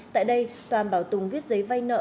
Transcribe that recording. tại đây toàn bảo tùng viết giấy vay nợ